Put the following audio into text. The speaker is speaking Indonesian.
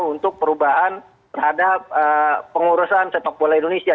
untuk perubahan terhadap pengurusan sepak bola indonesia